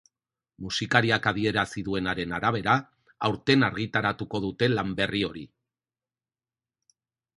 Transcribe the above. Musikariak adierazi duenaren arabera, aurten argitaratuko dute lan berri hori.